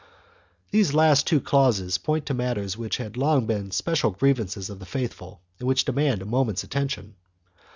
2 These last two clauses point to matters which had long been* special grievances of the faithful and which demand a moment's attention.